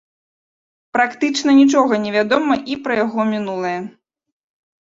Практычна нічога не вядома і пра яго мінулае.